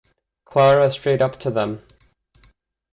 Clara strayed up to them.